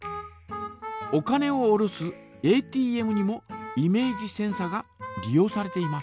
お金を下ろすＡＴＭにもイメージセンサが利用されています。